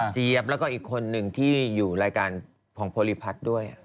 แล้วก็อีกคนหนึ่งที่อยู่รายการของโพลิพัฒน์ด้วย